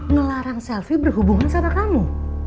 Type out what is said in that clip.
ngelarang selfie berhubungan sama kamu